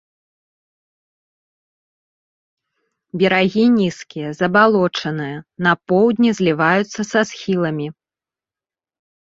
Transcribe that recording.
Берагі нізкія, забалочаныя, на поўдні зліваюцца са схіламі.